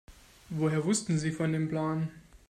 Woher wussten Sie von dem Plan?